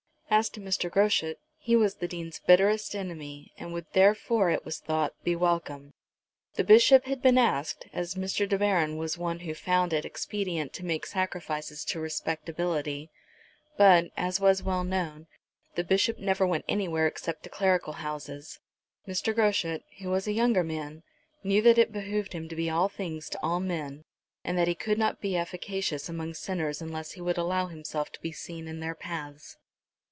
As to Mr. Groschut, he was the Dean's bitterest enemy, and would, therefore, it was thought, be welcome. The Bishop had been asked, as Mr. De Baron was one who found it expedient to make sacrifices to respectability; but, as was well known, the Bishop never went anywhere except to clerical houses. Mr. Groschut, who was a younger man, knew that it behoved him to be all things to all men, and that he could not be efficacious among sinners unless he would allow himself to be seen in their paths.